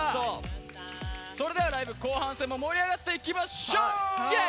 それではライブ後半戦も盛り上がっていきましょう。